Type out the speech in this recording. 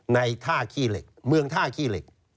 ในเมืองท่าขี้เหล็ก